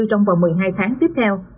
trong vòng một mươi hai tháng tiếp theo